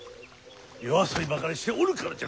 夜遊びばかりしておるからじゃ